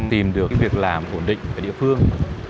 tìm được cái việc làm ổn định ở địa phương